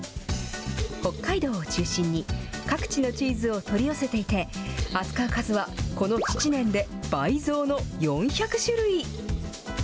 北海道を中心に、各地のチーズを取り寄せていて、扱う数はこの７年で倍増、４００種類。